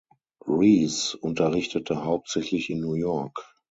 Reese unterrichtete hauptsächlich in New York.